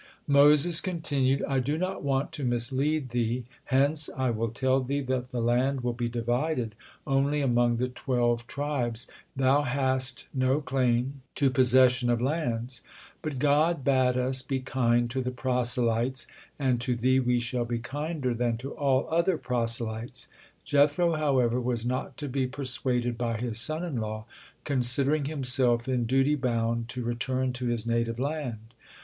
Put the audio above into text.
Moses continued: "I do not want to mislead thee, hence I will tell thee that the land will be divided only among the twelve tribes, and that thou has no claim to possession of lands; but God bade us be kind to the proselytes, and to thee we shall be kinder than to all other proselytes." Jethro, however, was not to be persuaded by his son in law, considering himself in duty bound to return to his native land.